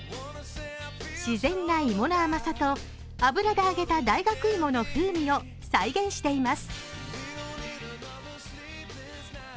自然な芋の甘さと油で揚げた大学いもの風味を再現しています。